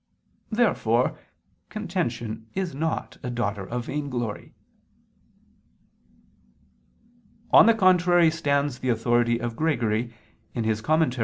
Therefore contention is not a daughter of vainglory. On the contrary stands the authority of Gregory (Moral.